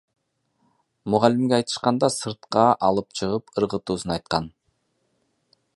Мугалимге айтышканда, сыртка алып чыгып ыргытуусун айткан.